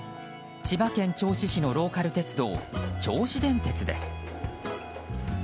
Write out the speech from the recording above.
千葉県銚子市のローカル鉄道銚子電鉄です。